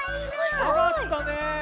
あがったね。